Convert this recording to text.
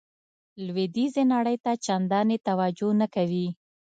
لویدیځې نړۍ ته چندانې توجه نه کوي.